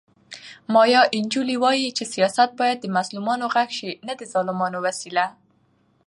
مایا انجیلو وایي چې سیاست باید د مظلومانو غږ شي نه د ظالمانو وسیله.